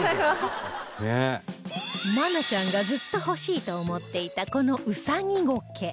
愛菜ちゃんがずっと欲しいと思っていたこのウサギゴケ